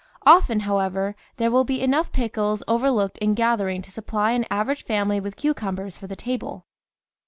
Often, however, there will be enough pickles over looked in gathering to supply an average family with cucumbers for the table.